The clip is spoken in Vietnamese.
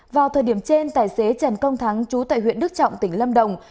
vào thời điểm trên tài xế trần công thắng chú tại huyện đức trọng tỉnh lâm đồng